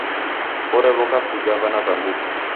Orew'oka kuja vana va nguku.